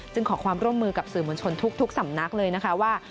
ขอความร่วมมือกับสื่อมวลชนทุกสำนักเลยนะคะว่า